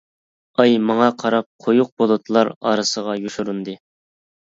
ئاي ماڭا قاراپ قويۇق بۇلۇتلار ئارىسىغا يوشۇرۇندى.